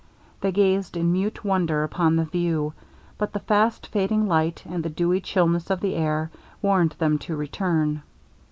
They gazed in mute wonder upon the view; but the fast fading light, and the dewy chillness of the air, warned them to return.